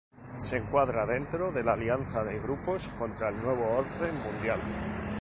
Se encuadran dentro de la alianza de grupos contra el Nuevo Orden Mundial.